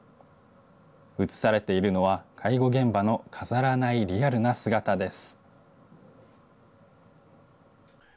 写されているのは、介護現場の飾らないリアルな姿です。